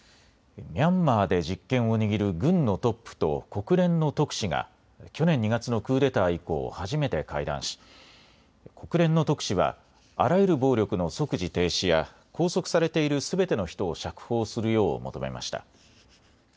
ミャンマーで実権を握る軍のトップと国連の特使が去年２月のクーデター以降、初めて会談し、国連の特使はあらゆる暴力の即時停止や拘束されているすべての人を釈放するよう求めました。